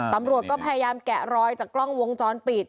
ตำรวจก็พยายามแกะรอยจากกล้องวงจรปิด